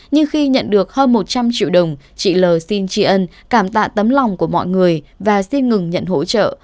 nhưng khi nhận được hơn một trăm linh triệu đồng chị l xin tri ân cảm tạ tấm lòng của mọi người và xin ngừng nhận hỗ trợ